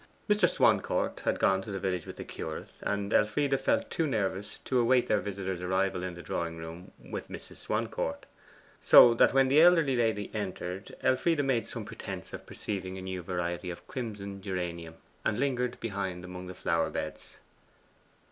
Mr. Swancourt had gone into the village with the curate, and Elfride felt too nervous to await their visitor's arrival in the drawing room with Mrs. Swancourt. So that when the elder lady entered, Elfride made some pretence of perceiving a new variety of crimson geranium, and lingered behind among the flower beds.